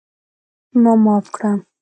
ما معاف کړه!